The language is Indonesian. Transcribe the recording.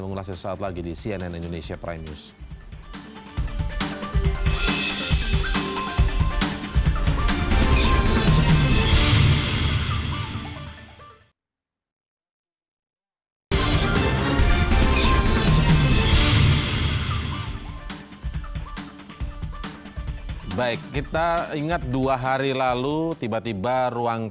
mengulas sesuatu lagi di cnn indonesia prime news baik kita ingat dua hari lalu tiba tiba ruang